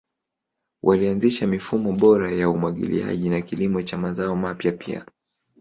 Walianzisha mifumo bora ya umwagiliaji na kilimo cha mazao mapya pia.